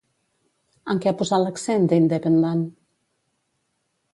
En què ha posat l'accent The Independent?